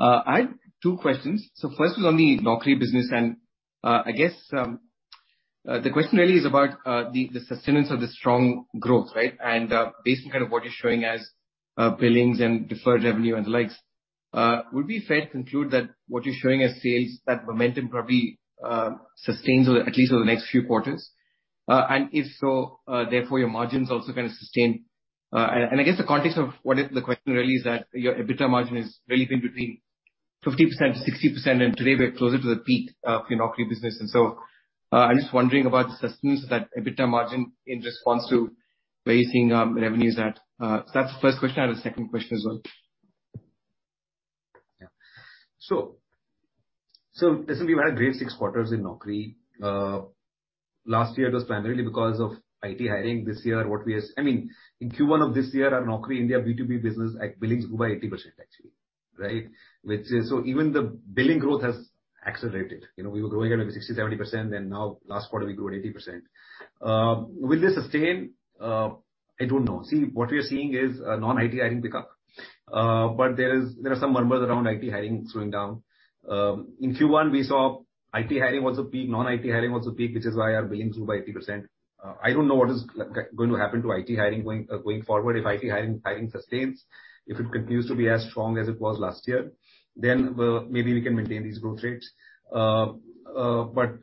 Speaker 10: I have two questions. First was on the Naukri.com business, and I guess the question really is about the sustenance of the strong growth, right? Based on kind of what you're showing as billings and deferred revenue and the likes, would it be fair to conclude that what you're showing as sales, that momentum probably sustains at least over the next few quarters? If so, therefore your margins also gonna sustain.
Speaker 3: I guess the context of the question really is that your EBITDA margin has really been between 50%-60%, and today we're closer to the peak of Naukri.com business. I'm just wondering about the sustenance of that EBITDA margin in response to where you're seeing the revenues at. That's the first question. I have a second question as well. Listen, we've had a great six quarters in Naukri.com. Last year it was primarily because of IT hiring. This year, I mean, in Q1 of this year, our Naukri.com India B2B business billings grew by 80% actually, right? Which is, even the billing growth has accelerated. You know, we were growing at like 60-70%, then now last quarter we grew at 80%. Will this sustain? I don't know. See, what we are seeing is a non-IT hiring pickup. But there are some murmurs around IT hiring slowing down. In Q1 we saw IT hiring was a peak, non-IT hiring was a peak, which is why our billings grew by 80%. I don't know what is going to happen to IT hiring going forward. If IT hiring sustains, if it continues to be as strong as it was last year, then maybe we can maintain these growth rates. But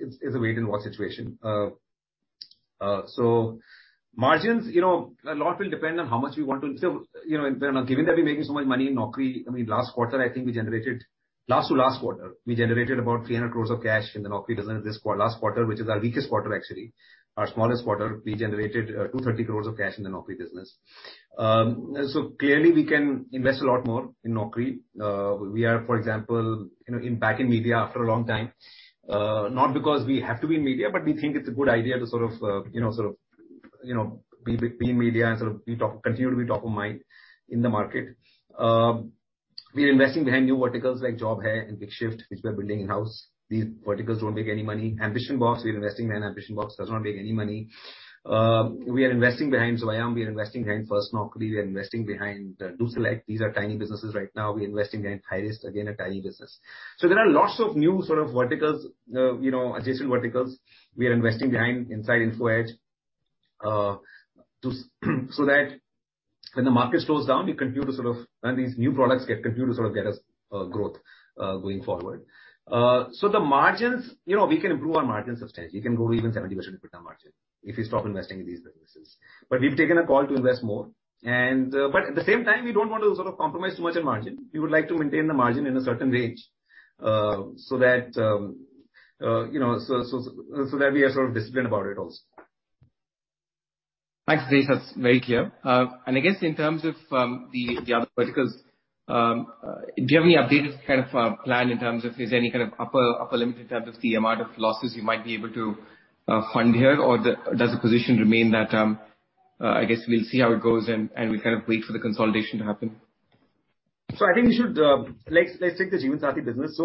Speaker 3: it's a wait and watch situation. Margins, you know, a lot will depend on how much we want to. You know, given that we're making so much money in Naukri, I mean, last to last quarter, we generated about 300 crores of cash in the Naukri business. Last quarter, which is our weakest quarter, actually, our smallest quarter, we generated 230 crores of cash in the Naukri business. Clearly we can invest a lot more in Naukri. We are, for example, you know, back in media after a long time, not because we have to be in media, but we think it's a good idea to sort of be in media and sort of continue to be top of mind in the market. We are investing behind new verticals like Job Hai and BigShyft, which we are building in-house. These verticals don't make any money. AmbitionBox does not make any money. We are investing behind Zwayam, we are investing behind FirstNaukri, we are investing behind DoSelect. These are tiny businesses right now. We're investing behind Hirist, again, a tiny business. There are lots of new sort of verticals, you know, adjacent verticals we are investing behind inside Info Edge, so that when the market slows down, we continue to sort of and these new products continue to sort of get us growth going forward. The margins, you know, we can improve our margins substantially. We can go to even 70% EBITDA margin if we stop investing in these businesses. We've taken a call to invest more and, but at the same time, we don't want to sort of compromise too much on margin. We would like to maintain the margin in a certain range, so that you know, so that we are sort of disciplined about it also.
Speaker 10: Thanks, Hitesh. That's very clear. I guess in terms of the other verticals, do you have any updated kind of plan in terms of is there any kind of upper limit in terms of the amount of losses you might be able to fund here? Or does the position remain that I guess we'll see how it goes and we kind of wait for the consolidation to happen?
Speaker 3: I think we should. Let's take the Jeevansathi business.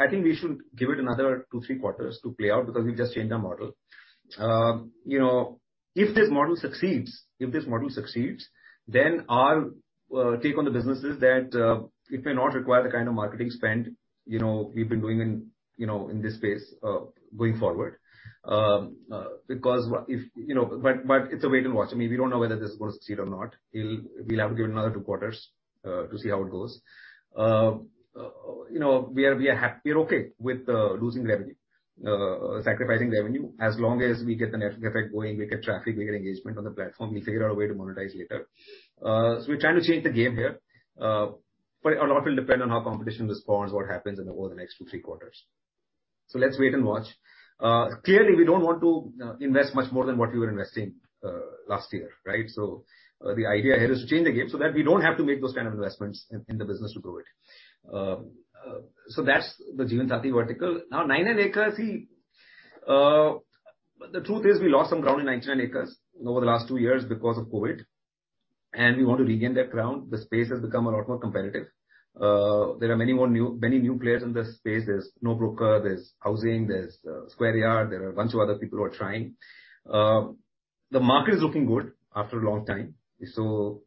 Speaker 3: I think we should give it another two to three quarters to play out because we've just changed our model. You know, if this model succeeds, then our take on the business is that it may not require the kind of marketing spend, you know, we've been doing in, you know, in this space going forward. You know, we're okay with losing revenue, sacrificing revenue. As long as we get the network effect going, we get traffic, we get engagement on the platform, we'll figure out a way to monetize later. We're trying to change the game here. A lot will depend on how competition responds, what happens over the next two, three quarters. Let's wait and watch. Clearly we don't want to invest much more than what we were investing last year, right? The idea here is to change the game so that we don't have to make those kind of investments in the business to grow it. That's the Jeevansathi vertical. Now, 99acres, the truth is we lost some ground in 99acres over the last two years because of COVID, and we want to regain that ground. The space has become a lot more competitive. There are many more new players in this space. There's NoBroker, there's Housing.com, there's Square Yards, there are a bunch of other people who are trying. The market is looking good after a long time. You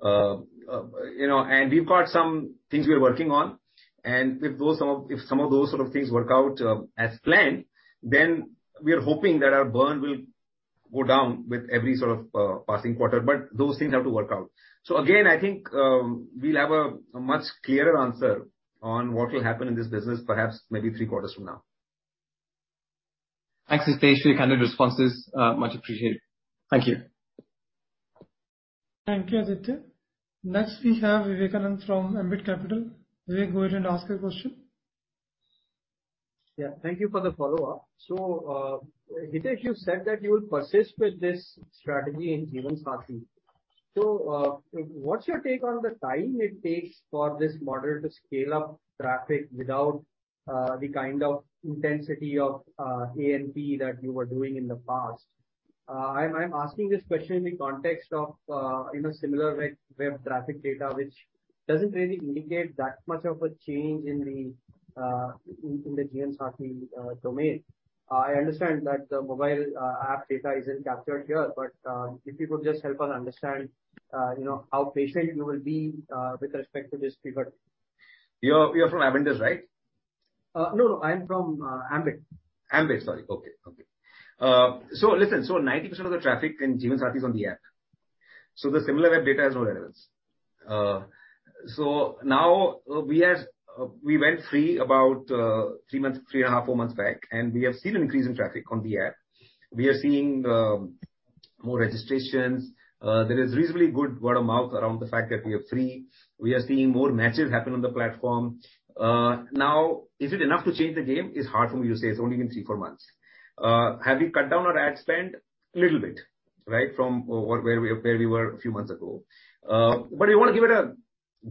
Speaker 3: know, we've got some things we are working on. If some of those sort of things work out, as planned, then we are hoping that our burn will go down with every sort of passing quarter. Those things have to work out. Again, I think, we'll have a much clearer answer on what will happen in this business, perhaps maybe three quarters from now.
Speaker 10: Thanks, Hitesh, for your candid responses. Much appreciated. Thank you.
Speaker 1: Thank you, Aditya. Next we have Vivekanand from Ambit Capital. Vivek, go ahead and ask your question.
Speaker 4: Yeah, thank you for the follow-up. Hitesh, you said that you will persist with this strategy in Jeevansathi. What's your take on the time it takes for this model to scale up traffic without the kind of intensity of A&P that you were doing in the past? I'm asking this question in the context of you know, Similarweb web traffic data, which doesn't really indicate that much of a change in the Jeevansathi domain. I understand that the mobile app data isn't captured here, but if you could just help us understand you know, how patient you will be with respect to this pivot.
Speaker 3: You're from Avendus, right?
Speaker 4: No. I am from Ambit.
Speaker 3: 90% of the traffic in Jeevansathi is on the app. The Similarweb data has no relevance. We went free about three months, 3.5, four months back, and we have seen an increase in traffic on the app. We are seeing more registrations. There is reasonably good word of mouth around the fact that we are free. We are seeing more matches happen on the platform. Now, is it enough to change the game? It's hard for me to say. It's only been three, four months. Have we cut down our ad spend? A little bit, right, from where we were a few months ago. We wanna give it a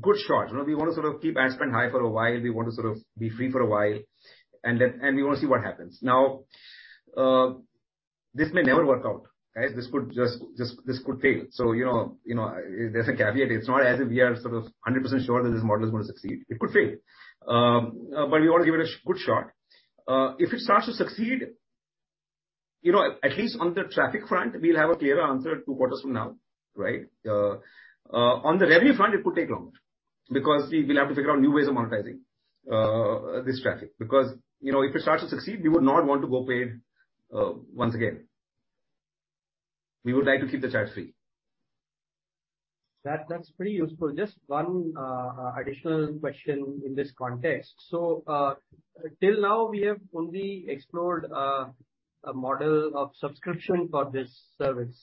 Speaker 3: good shot. You know, we wanna sort of keep ad spend high for a while, we want to sort of be free for a while, and then, and we wanna see what happens. Now, this may never work out, right? This could just fail. You know, there's a caveat. It's not as if we are sort of 100% sure that this model is gonna succeed. It could fail. We want to give it a good shot. If it starts to succeed, you know, at least on the traffic front, we'll have a clearer answer two quarters from now, right? On the revenue front, it could take longer because we will have to figure out new ways of monetizing this traffic. Because, you know, if it starts to succeed, we would not want to go paid, once again. We would like to keep the chat free.
Speaker 4: That's pretty useful. Just one additional question in this context. Till now, we have only explored a model of subscription for this service.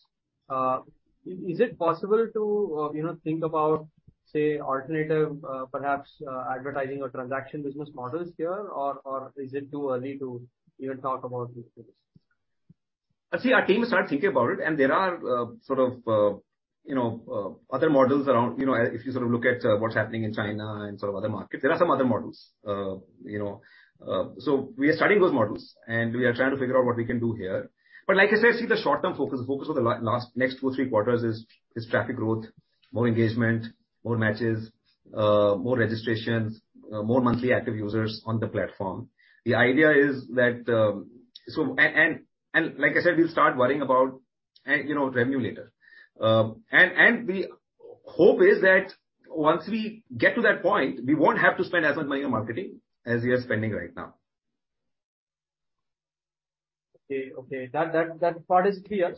Speaker 4: Is it possible to, you know, think about, say, alternative, perhaps, advertising or transaction business models here or is it too early to even talk about these business?
Speaker 3: See, our team has started thinking about it, and there are sort of, you know, other models around. You know, if you sort of look at what's happening in China and sort of other markets, there are some other models. You know, so we are studying those models and we are trying to figure out what we can do here. Like I said, see the short-term focus. The focus for the next two, three quarters is traffic growth, more engagement, more matches, more registrations, more monthly active users on the platform. The idea is that, and like I said, we'll start worrying about, you know, revenue later. The hope is that once we get to that point, we won't have to spend as much money on marketing as we are spending right now.
Speaker 4: Okay. That part is clear.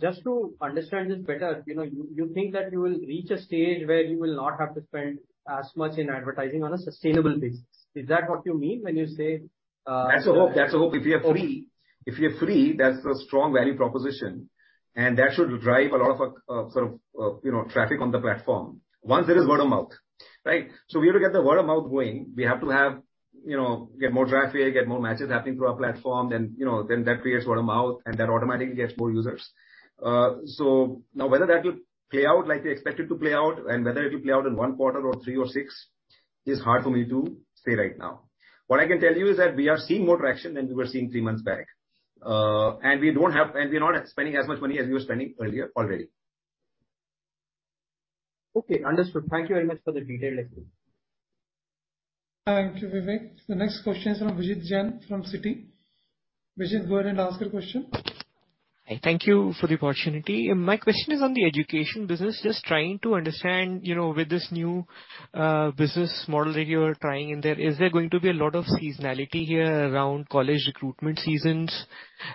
Speaker 4: Just to understand this better, you know, you think that you will reach a stage where you will not have to spend as much in advertising on a sustainable basis. Is that what you mean when you say?
Speaker 3: That's the hope. If you are free, that's a strong value proposition and that should drive a lot of, sort of, you know, traffic on the platform once there is word of mouth, right? We need to get the word of mouth going. We have to have, you know, get more traffic, get more matches happening through our platform then, you know, then that creates word of mouth and that automatically gets more users. Now whether that will play out like we expect it to play out and whether it will play out in one quarter or three or six is hard for me to say right now. What I can tell you is that we are seeing more traction than we were seeing three months back. We're not spending as much money as we were spending earlier already.
Speaker 4: Okay. Understood. Thank you very much for the detailed answer.
Speaker 1: Thank you, Vivek. The next question is from Vijit Jain from Citi. Vijit, go ahead and ask your question.
Speaker 11: Hi. Thank you for the opportunity. My question is on the education business. Just trying to understand, you know, with this new business model that you are trying in there, is there going to be a lot of seasonality here around college recruitment seasons?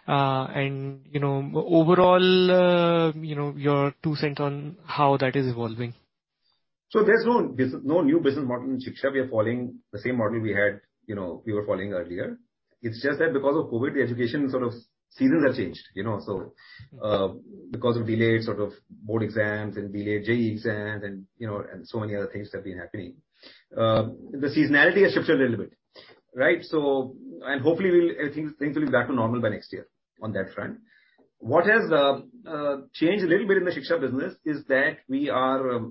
Speaker 11: You know, overall, you know, your two cents on how that is evolving.
Speaker 3: There's no new business model in Shiksha.com. We are following the same model we had, you know, we were following earlier. It's just that because of COVID, the education sort of seasons have changed, you know. Because of delayed sort of board exams and delayed JEE exams and, you know, and so many other things that have been happening, the seasonality has shifted a little bit, right? Hopefully things will be back to normal by next year on that front. What has changed a little bit in the Shiksha.com business is that we are,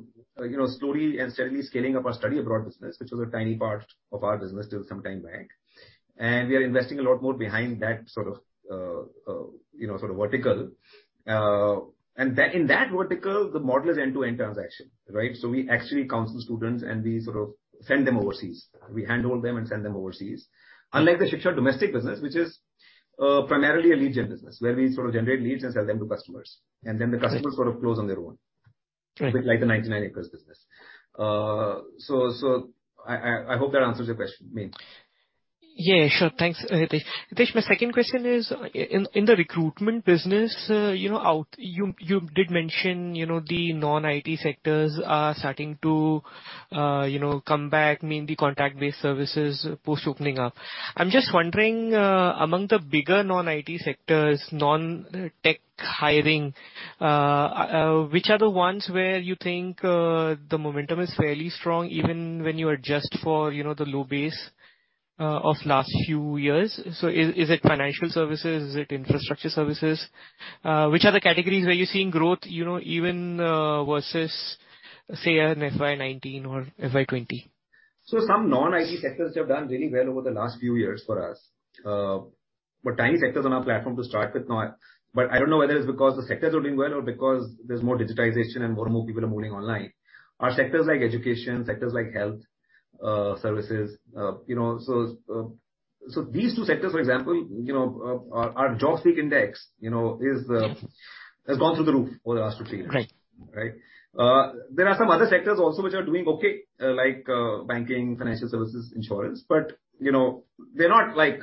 Speaker 3: you know, slowly and steadily scaling up our study abroad business which was a tiny part of our business till some time back and we are investing a lot more behind that sort of, you know, sort of vertical. In that vertical the model is end-to-end transaction, right? We actually counsel students and we sort of send them overseas. We handhold them and send them overseas. Unlike the Shiksha.com domestic business which is primarily a lead gen business where we sort of generate leads and sell them to customers and then the customers sort of close on their own.
Speaker 11: Right.
Speaker 3: Like the 99acres business. So I hope that answers your question, Vijit.
Speaker 11: Yeah, sure. Thanks, Hitesh. Hitesh, my second question is in the recruitment business, you did mention, you know, the non-IT sectors are starting to come back mainly contract-based services post opening up. I'm just wondering, among the bigger non-IT sectors, non-tech hiring, which are the ones where you think the momentum is fairly strong even when you adjust for, you know, the low base of last few years? Is it financial services? Is it infrastructure services? Which are the categories where you're seeing growth, you know, even versus say an FY 2019 or FY 2020?
Speaker 3: Some non-IT sectors which have done really well over the last few years for us were tiny sectors on our platform to start with. But I don't know whether it's because the sectors are doing well or because there's more digitization and more people are moving online, are sectors like education, sectors like health, services. You know, so these two sectors for example, you know, our JobSpeak Index, you know, is the-
Speaker 11: Right.
Speaker 3: Has gone through the roof over the last two, three years.
Speaker 11: Great.
Speaker 3: Right? There are some other sectors also which are doing okay, like, banking, financial services, insurance. You know, they're not like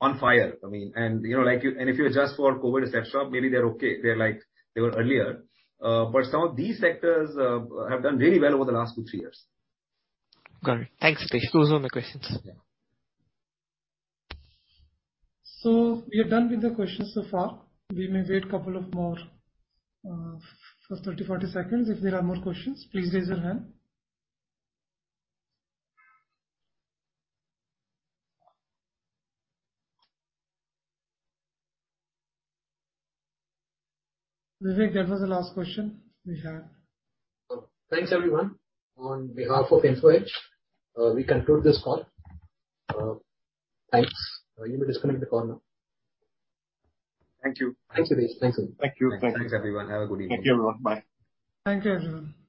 Speaker 3: on fire. I mean. You know, and if you adjust for COVID et cetera maybe they're okay. They're like they were earlier. Some of these sectors have done really well over the last two, three years.
Speaker 11: Got it. Thanks, Hitesh. Those were my questions.
Speaker 3: Yeah.
Speaker 1: We are done with the questions so far. We may wait a couple more for 30-40 seconds. If there are more questions, please raise your hand. Vivek, that was the last question we have.
Speaker 2: Thanks everyone. On behalf of Info Edge, we conclude this call. Thanks. You may disconnect the call now.
Speaker 3: Thank you.
Speaker 2: Thanks Hitesh. Thanks again.
Speaker 3: Thank you. Thank you.
Speaker 2: Thanks everyone. Have a good evening.
Speaker 4: Thank you everyone. Bye.
Speaker 1: Thank you everyone.